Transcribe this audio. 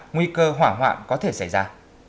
nguy cơ hỏa hoạng có thể xảy ra